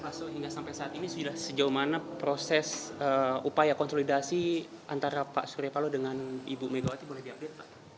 mas soeh hingga sampai saat ini sejauh mana proses upaya konsolidasi antara pak suryapalo dengan ibu megawati boleh diambil